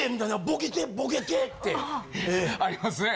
ボケてボケてって。ありますね。